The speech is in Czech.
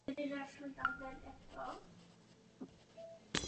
Obě alba byla ve Spojeném království oceněna platinovou deskou.